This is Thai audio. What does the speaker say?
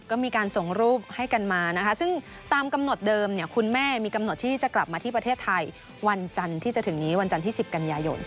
ก็มีการส่งรูปให้กันมานะคะซึ่งตามกำหนดเดิมคุณแม่มีกำหนดที่จะกลับมาที่ประเทศไทยวันจันทร์ที่จะถึงนี้วันจันทร์ที่๑๐กันยายน